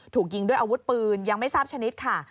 ถูกยิงด้วยอาวุธปืนยังไม่ทราบชนิดค่ะ